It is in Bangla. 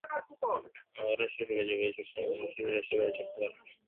মা-বাবারা শৈশবে যেভাবে ছুটতে পারতেন, এখনকার অনেক শিশু সেভাবে ছুটতে পারে না।